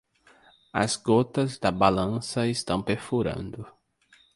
As gotas da balança estão perfurando.